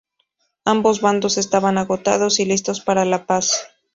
Ambos bandos estaban agotados y listos para la paz.